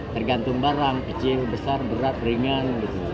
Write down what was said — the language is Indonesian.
tergantung barang kecil besar berat ringan